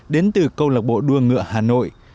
đến từ câu lạc bộ đua ngựa hà nội